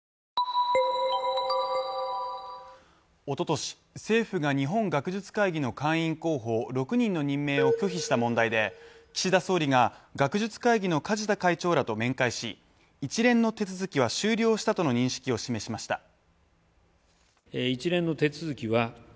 おととし、政府が日本学術会議の会員候補６人の任命を拒否した問題で、岸田総理が学術会議の梶田会長らと面会し、一連の手続きは終了したとの認識を示しました。